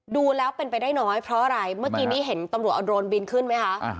ดูแล้วเป็นไปได้น้อยเพราะอะไรเมื่อกี้นี้เห็นตำรวจเอาโดรนบินขึ้นไหมคะ